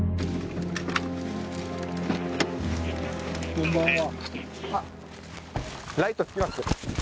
こんばんは。